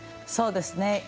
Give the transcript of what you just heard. そうですね。